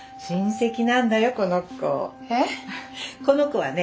この子はね